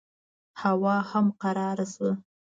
هوا هم قراره شوه.